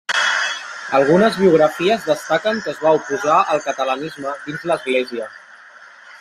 Algunes biografies destaquen que es va oposar al catalanisme dins l'Església.